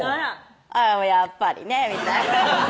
あぁやっぱりねみたいな